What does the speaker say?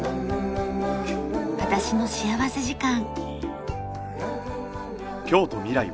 『私の幸福時間』。